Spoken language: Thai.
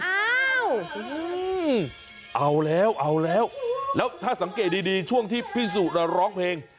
อ้าวเอาแล้วเอาแล้วแล้วถ้าสังเกตดีช่วงที่พี่สุน่ะร้องเพลง